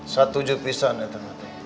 satu jubisan ya teman teman